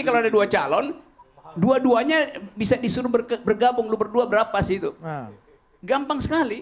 kalau ada dua calon dua duanya bisa disuruh bergabung lu berdua berapa sih itu gampang sekali